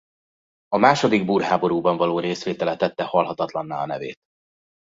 A második búr háborúban való részvétele tette halhatatlanná a nevét.